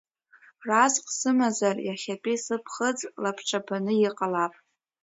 Разҟ сымазар, иахьатәи сыԥхыӡ лабҿабаны иҟалап.